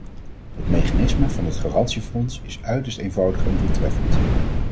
Het mechanisme van het garantiefonds is uiterst eenvoudig en doeltreffend.